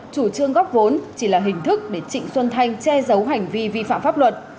chủ trương góp vốn chỉ là hình thức để trịnh xuân thanh che giấu hành vi vi phạm pháp luật